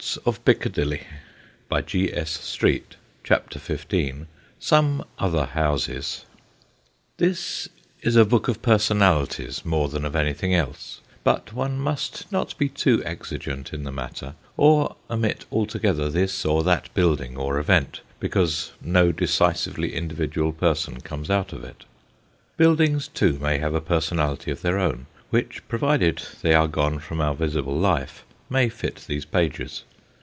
SOME OTHER HOUSES 237 CHAPTER XV SOME OTHER HOUSES THIS is a book of personalities more than of anything else, but one must not be too exigent in the matter, or omit altogether this or that building or event, because no decisively individual person comes out of it. Buildings, too, may have a personality of their own, which, provided they are gone from our visible life, may fit these pages.